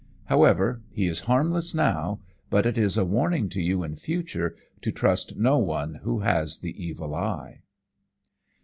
However, he is harmless now, but it is a warning to you in future to trust no one who has the evil eye.'"